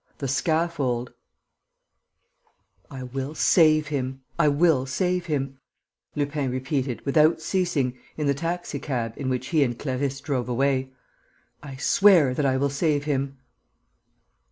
THE SCAFFOLD "I will save him, I will save him," Lupin repeated, without ceasing, in the taxicab in which he and Clarisse drove away. "I swear that I will save him."